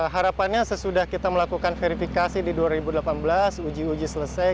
harapannya sesudah kita melakukan verifikasi di dua ribu delapan belas uji uji selesai